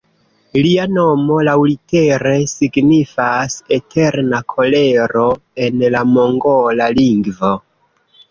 Lia nomo laŭlitere signifas "Eterna Kolero" en la mongola lingvo.